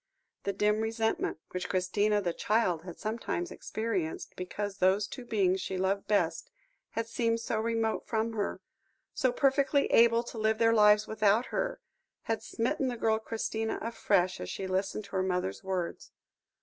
The dim resentment which Christina, the child, had sometimes experienced, because those two beings she loved best had seemed so remote from her, so perfectly able to live their lives without her, had smitten the girl Christina afresh as she listened to her mother's words.